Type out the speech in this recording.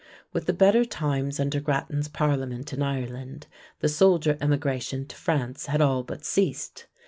With the better times under Grattan's Parliament in Ireland, the soldier emigration to France had all but ceased.